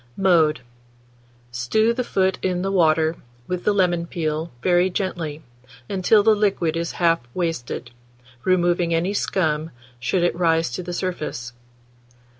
Mode. Stew the foot in the water, with the lemon peel, very gently, until the liquid is half wasted, removing any scum, should it rise to the surface.